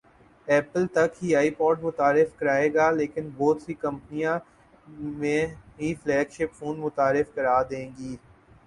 apple تک ہی iPod متعارف کرائے گا لیکن بہت سی کمپنیاں میں ہی فلیگ شپ فون متعارف کرا دیں گی